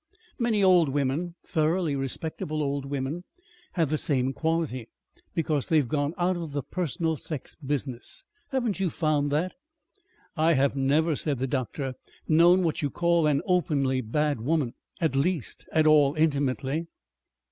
Many old women, thoroughly respectable old women, have the same quality. Because they have gone out of the personal sex business. Haven't you found that?" "I have never," said the doctor, "known what you call an openly bad woman, at least, at all intimately...."